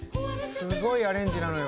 すごいアレンジなのよ。